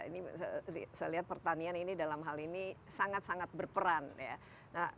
ini saya lihat pertanian ini dalam hal ini sangat sangat berperan ya